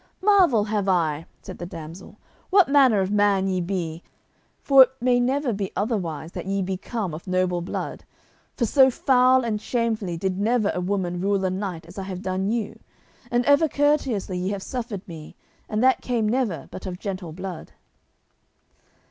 "Marvel have I," said the damsel, "what manner of man ye be, for it may never be otherwise but that ye be come of noble blood, for so foul and shamefully did never woman rule a knight as I have done you, and ever courteously ye have suffered me, and that came never but of gentle blood."